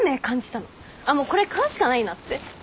あっもうこれ買うしかないなって。